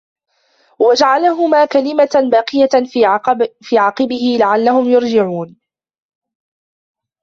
وجعلها كلمة باقية في عقبه لعلهم يرجعون